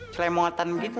celai muatan gitu